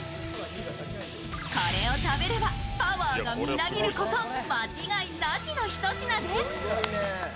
これを食べれば、パワーがみなぎること間違いなしの一品です。